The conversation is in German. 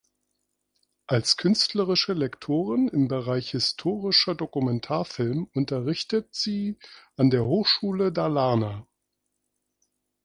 Als Künstlerische Lektorin im Bereich historischer Dokumentarfilm unterrichtet sie an der Hochschule Dalarna.